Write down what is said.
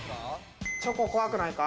チョコ怖くないか？